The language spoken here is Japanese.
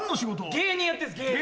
芸人やってるんです。